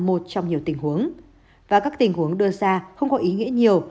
một trong nhiều tình huống và các tình huống đưa ra không có ý nghĩa nhiều